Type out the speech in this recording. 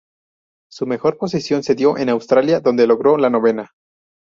Su mejor posición se dio en Australia, donde logró la novena.